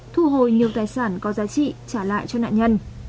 thu hồi nhiều tài sản có giá trị trả lại cho nạn nhân